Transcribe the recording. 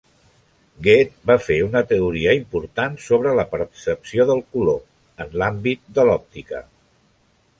Goethe va fer una teoria important sobre la percepció del color, en l'àmbit de l'òptica.